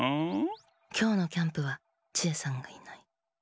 きょうのキャンプはチエさんがいない。